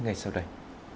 ngay sau đây